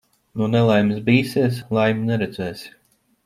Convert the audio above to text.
No nelaimes bīsies, laimi neredzēsi.